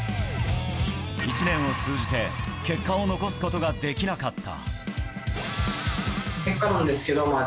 １年を通じて結果を残すことができなかった。